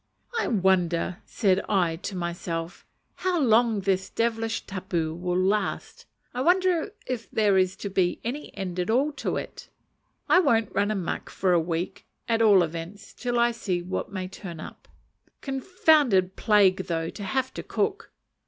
"I wonder," said I to myself, "how long this devilish tapu will last! I wonder if there is to be any end at all to it! I won't run a muck for a week, at all events, till I see what may turn up. Confounded plague though to have to cook!"